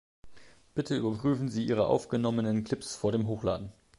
Bitte überprüfen Sie Ihre aufgenommenen Clips vor dem Hochladen.